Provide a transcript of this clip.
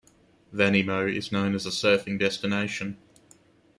Vanimo is known as a surfing destination.